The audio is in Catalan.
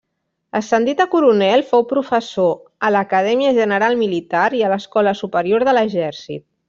Ascendit a coronel, fou professor a l'Acadèmia General Militar i a l'Escola Superior de l'Exèrcit.